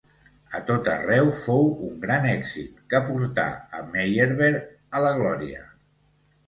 A tot arreu fou un gran èxit que portà a Meyerbeer a la glòria.